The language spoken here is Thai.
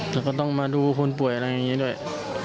แล้วก็ต้องมาดูคนป่วยอะไรอย่างนี้ด้วย